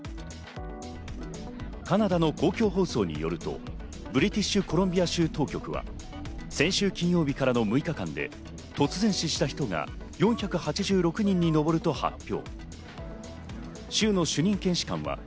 カナダの公共放送によるとブリティッシュ・コロンビア州当局は、先週金曜日からの６日間で突然死した人が４８６人に上ると発表。